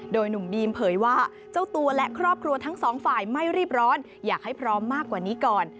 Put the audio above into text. โดยหนุ่มบีมเผยว่าเจ้าตัวและครอบครัวทั้งสองฝ่ายไม่รีบร้อนอยากให้พร้อมมากกว่านี้ก่อน